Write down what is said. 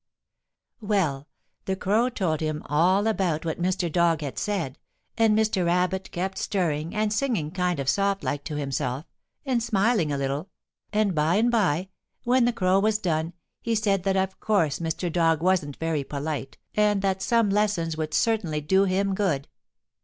Well, the Crow told him all about what Mr. Dog had said, and Mr. Rabbit kept stirring and singing kind of soft like to himself, and smiling a little, and by and by, when the Crow was done, he said that of course Mr. Dog wasn't very polite, and that some lessons would certainly do him good.